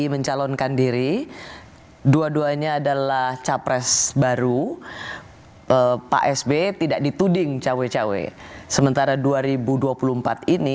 mencalonkan diri dua duanya adalah capres baru pak sby tidak dituding cawe cawe sementara dua ribu dua puluh empat ini